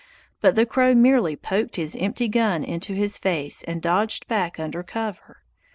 But the Crow merely poked his empty gun into his face and dodged back under cover.